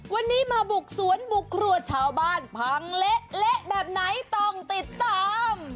วันนี้มาบุกสวนบุกครัวชาวบ้านพังเละแบบไหนต้องติดตาม